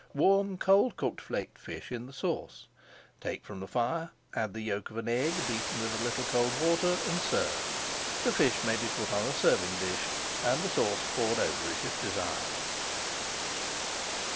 Warm cold cooked flaked fish in the sauce, take from the fire, add the yolk of an egg beaten with a little cold water, and serve. The fish may be put on a serving dish and the sauce poured over it if desired.